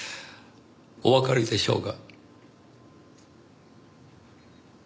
おわかりでしょうが。